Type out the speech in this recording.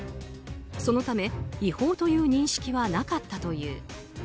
そのため違法という認識はなかったという。